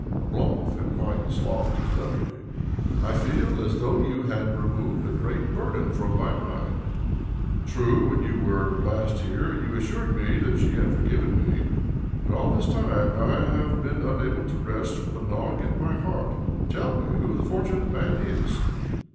Oblomov had quite sloughed his lethargy. " I feel as OBLOMOV 243 though you had removed a great burden from my mind. True, when you were last here, you assured me that she had forgiven me ; but all this time I have been unable to rest for the gnawing at my heart. ... Tell me who the fortunate man is